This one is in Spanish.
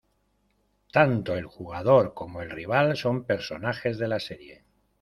Tanto el jugador como el rival son personajes de la serie.